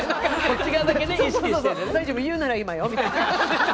そうそうそう大丈夫言うなら今よみたいな。